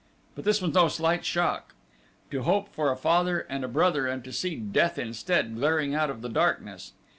But this was no slight shock. To hope for a father and a brother and to see death instead glaring out of the darkness!